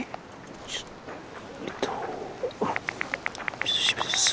「お久しぶりです。